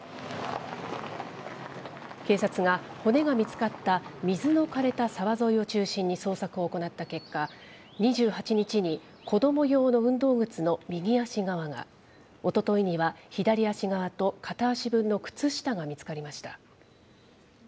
警察が、骨が見つかった水のかれた沢沿いを中心に捜索を行った結果、２８日に子ども用の運動靴の右足側が、おとといには左足側と片足分の靴下が見つかりました。